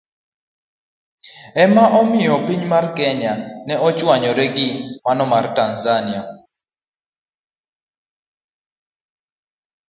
Ema omiyo piny mar Kenya ne ochwanyore gi mano mar Tanzania.